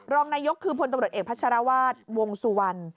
รองนายกคือพลตบริษัทเอกพัชรวาสวงศ์สุวรรณ